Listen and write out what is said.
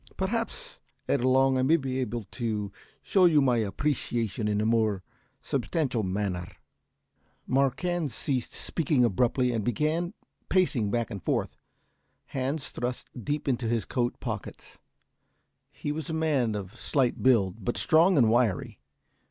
Perhaps, ere long I may be able to show my appreciation in a more substantial manner." Marquand ceased speaking abruptly and began pacing back and forth, hands thrust deep into his coat pockets. He was a man of slight build, but strong and wiry.